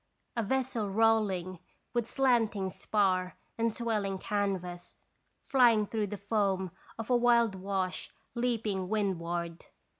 A vessel rolling with slanting spar and swelling canvas, flying through the foam of a wild wash leaping windward.